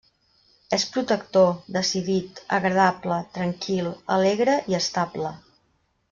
És protector, decidit, agradable, tranquil, alegre i estable.